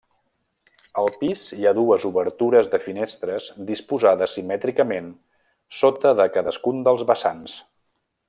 Al pis hi ha dues obertures de finestres disposades simètricament sota de cadascun dels vessants.